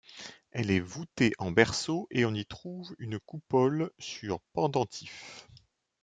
Elle est voutée en berceau et on y trouve une coupole sur pendentif.